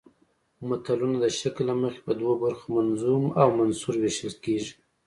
متلونه د شکل له مخې په دوو برخو منظوم او منثور ویشل کیږي